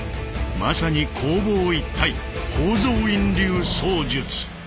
まさに攻防一体宝蔵院流槍術！